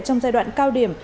trong giai đoạn cao điểm